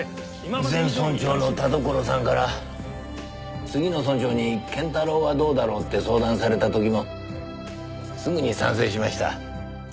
前村長の田所さんから次の村長に謙太郎はどうだろうって相談された時もすぐに賛成しました。